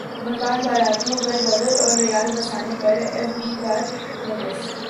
ملتان باراتیوں پرڈالراورریال برسانے پرایف بی رکانوٹس